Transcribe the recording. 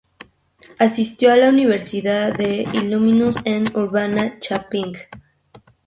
Asistió a la Universidad de Illinois en Urbana-Champaign.